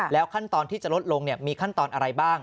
ขั้นตอนที่จะลดลงมีขั้นตอนอะไรบ้าง